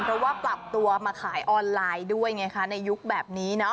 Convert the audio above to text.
เพราะว่าปรับตัวมาขายออนไลน์ด้วยไงคะในยุคแบบนี้เนาะ